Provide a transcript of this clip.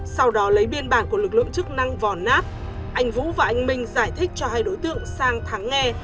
sau đó lấy biên bản của lực lượng chức năng vò nát anh vũ và anh minh giải thích cho hai đối tượng sang thắng nghe